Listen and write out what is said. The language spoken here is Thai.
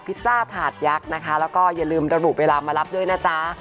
๐๖๒๓๗๓๗๑๑๒พิซซ่าถาดยักษ์แล้วก็อย่าลืมระบุเวลามารับด้วยนะจ๊ะ